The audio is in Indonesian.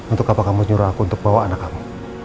untuk apa kamu nyuruh aku untuk bawa anak kamu